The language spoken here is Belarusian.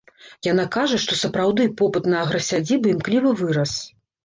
Яна кажа, што, сапраўды, попыт на аграсядзібы імкліва вырас.